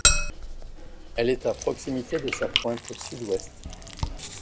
Elle est à proximité de sa pointe sud-ouest.